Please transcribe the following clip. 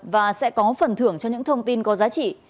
và sẽ có phần thưởng cho những thông tin có giá trị